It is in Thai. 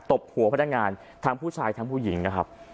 บหัวพนักงานทั้งผู้ชายทั้งผู้หญิงนะครับ